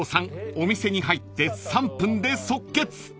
お店に入って３分で即決］